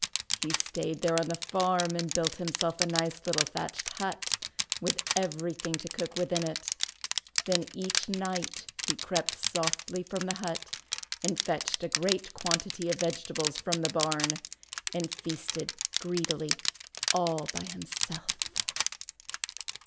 He stayed there on the farm and built himself a nice little thatched hut with everything to cook with in it. Then each night he crept softly from the hut, and fetched a great quantity of vegetables from the barn, and feasted greedily all by himself.